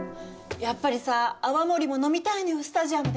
やっぱりさ泡盛も飲みたいのよスタジアムで。